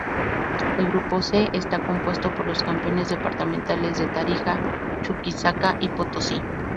El Grupo C está compuesto por los campeones departamentales de Tarija, Chuquisaca y Potosí.